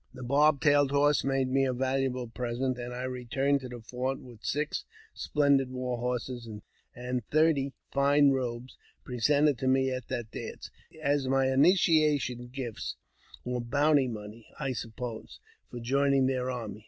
The Bob tailed Horse made me a valuable present, and I returned I JAMES P. BECKWOUBTH, 371 to the fort with six splendid war horses and thirty fine robes, presented to me at that dance, as my initiation gifts, or bounty money, I suppose, for joining their army.